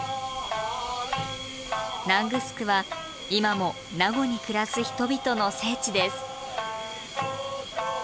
名護城は今も名護に暮らす人々の聖地です。